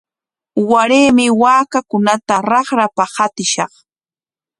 Waraymi waakakunata raqrapa qatishaq.